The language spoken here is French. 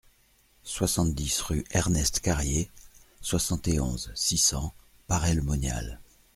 soixante-dix rue Ernest Carrier, soixante et onze, six cents, Paray-le-Monial